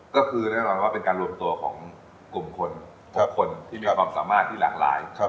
ก็คือแน่นอนว่าเป็นการรวมตัวของกลุ่มคนทุกคนที่มีความสามารถที่หลากหลาย